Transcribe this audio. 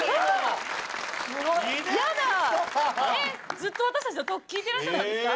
ずっと私たちのトーク聞いていらっしゃったんですか？